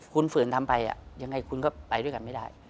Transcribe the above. คุณฝืนทำไปยังไงคุณก็ไปด้วยกันไม่ได้